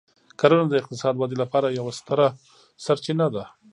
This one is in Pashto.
کرنه د اقتصادي ودې لپاره یوه ستره سرچینه ده.